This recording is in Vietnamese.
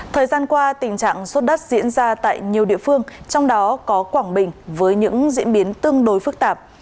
thời gian qua tình trạng xuất đất diễn ra tại nhiều địa phương trong đó có quảng bình với những diễn biến tương đối phức tạp